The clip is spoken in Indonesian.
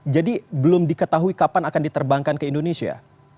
jadi belum diketahui kapan akan diterbangkan ke indonesia